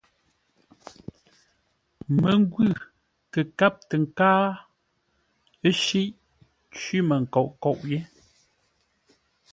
Məngwʉ̂ kâp tə nkáa, ə́ shíʼ; cwímənkoʼ nkôʼ yé.